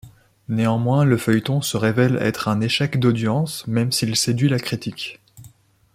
Néanmoins le feuilleton se révèle être un échec d'audience même s'il séduit la critique.